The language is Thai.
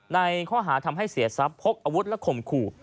ในข้อหาทำให้เสียทรัพย์พกอาวุธและข่มขู่